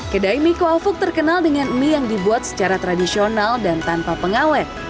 kedai mie kuafuk terkenal dengan mie yang dibuat secara tradisional dan tanpa pengawet